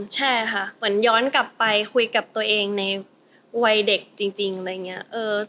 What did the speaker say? ใช่ค่ะเหมือนย้อนกลับไปคุยกับตัวเองในวัยเด็กจริงอะไรอย่างนี้